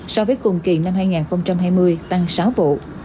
so với cùng kỳ năm hai nghìn hai mươi tăng sáu vụ